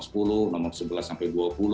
nomor sebelas sampai dua puluh